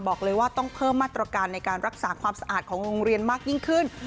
บอกเลยว่าต้องเพิ่มมาตรการในการรักษาความสะอาดของโรงเรียนมากยิ่งขึ้น